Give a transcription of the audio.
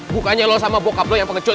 bukannya lu sama bokap lu yang pengecut